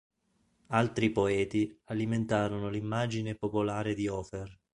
Altri poeti alimentarono l'immagine popolare di Hofer.